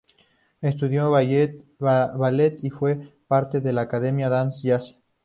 Estudió ballet y fue parte de la academia Danzas Jazz.